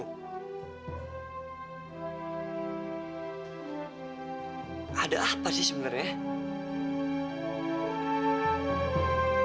kenapa yang ria gak pernah cerita sama aku